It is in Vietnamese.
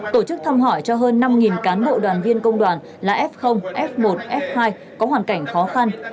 tổ chức thăm hỏi cho hơn năm cán bộ đoàn viên công đoàn là f f một f hai có hoàn cảnh khó khăn